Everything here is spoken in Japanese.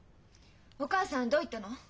お母さんどう言ったの？